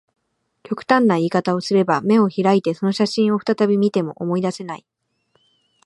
極端な言い方をすれば、眼を開いてその写真を再び見ても、思い出せない